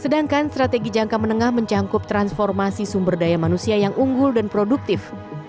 sedangkan strategi jangka menengah mencangkup transformasi sumber daya manusia yang unggul dan produktif